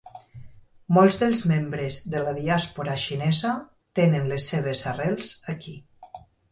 Molts dels membres de la diàspora xinesa tenen les seves arrels aquí.